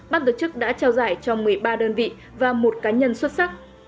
bác tổ chức đã trao giải cho một mươi ba đơn vị và một cá nhân xuất sắc